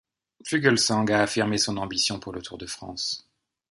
Fuglsang a affirmé son ambition pour le Tour de France.